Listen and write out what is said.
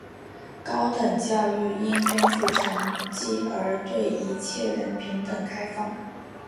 高等教育应根据成绩而对一切人平等开放。